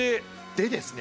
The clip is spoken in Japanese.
でですね